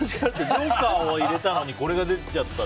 ジョーカーを入れたのにこれが出ちゃった。